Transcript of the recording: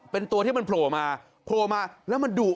เป็นตัวที่มันโผล่มาโผล่มาแล้วมันดุ